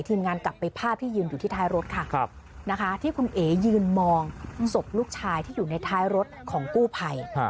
งานกลับไปภาพที่ยืนอยู่ที่ท้ายรถค่ะนะคะที่คุณเอ๋ยืนมองศพลูกชายที่อยู่ในท้ายรถของกู้ภัย